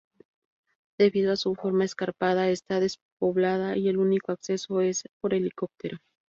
Debido a su forma escarpada está despoblada y el único acceso es por helicóptero.